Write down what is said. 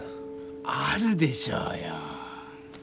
あるでしょうよ。